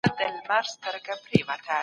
ته ولي غواړې تاریخ مطالعه کړې؟